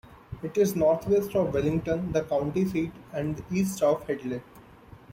It is northwest of Wellington, the county seat, and east of Hedley.